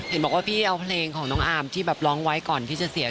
เห็นบอกว่าพี่เอาเพลงของน้องอาร์มที่แบบร้องไว้ก่อนที่จะเสีย